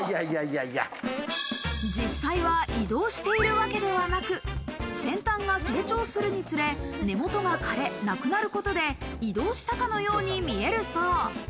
実際は移動しているわけではなく、先端が成長するにつれ、根元が枯れ、なくなることで移動したかのように見えるそう。